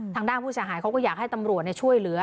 ทางด้านผู้เสียหายเขาก็อยากให้ตำรวจช่วยเหลือ